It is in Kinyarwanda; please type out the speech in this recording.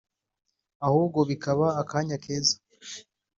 ahubwo bikaba akanya keza